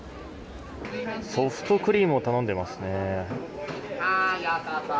ソフトクリームを頼んでいますね。